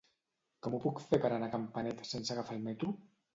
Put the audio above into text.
Com ho puc fer per anar a Campanet sense agafar el metro?